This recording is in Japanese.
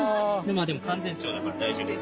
でも完全長だから大丈夫。